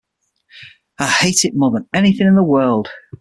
I hate it more than anything in the world.